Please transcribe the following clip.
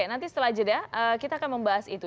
nanti setelah jeda kita akan membahas itu